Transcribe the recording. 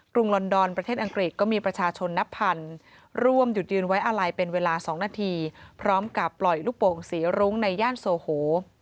ลอนดอนประเทศอังกฤษก็มีประชาชนนับพันร่วมหยุดยืนไว้อาลัยเป็นเวลา๒นาทีพร้อมกับปล่อยลูกโป่งสีรุ้งในย่านโซโห